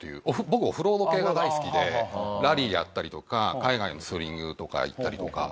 僕オフロード系が大好きでラリーやったりとか海外のツーリングとか行ったりとか。